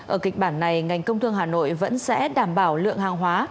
ở kịch bản này ngành công thương hà nội vẫn sẽ đảm bảo lượng hàng hóa